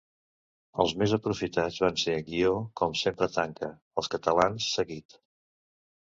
Els més aprofitats van ser guió com sempre tanca, els catalans, seguit.